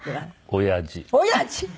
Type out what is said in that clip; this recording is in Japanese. おやじ？